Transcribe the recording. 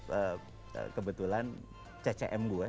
nah terus kebetulan ccm gue